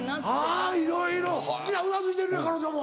あぁいろいろうなずいてるやん彼女も。